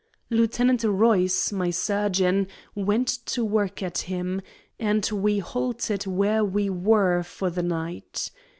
Lieutenant Royce, my surgeon, went to work at him, and we halted where we were for the night.